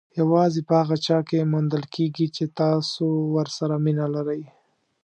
یوازې په هغه چا کې موندل کېږي چې تاسو ورسره مینه لرئ.